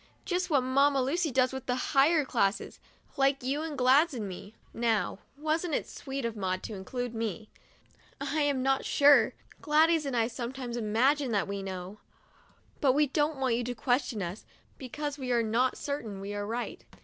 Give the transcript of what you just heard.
Just what Mamma Lucy does with the higher classes, like you and Gladys and me," — now, wasn't it sweet of Maud to include me ?—" I am not sure. Gladys and I some times imagine that we know; but we don't want you to question us, because we are not certain we are right.